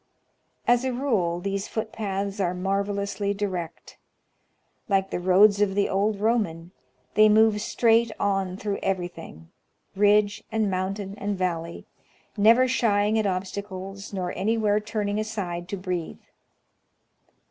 As a rule, these foot paths are marvellously direct. Like the roads of the old Roman, they move straight on through every thing, — ridge and mountain and valley, — never shying at obstacles, nor anywhere turning aside to breathe.